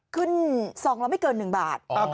ขึ้นซองเราไม่เกิน๑บาท